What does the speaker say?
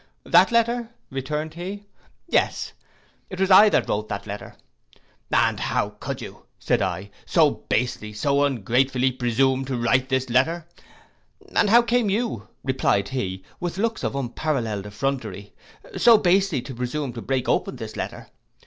'—'That letter,' returned he, 'yes, it was I that wrote that letter.'—'And how could you,' said I, 'so basely, so ungratefully presume to write this letter?'—'And how came you,' replied he, with looks of unparallelled effrontery, 'so basely to presume to break open this letter?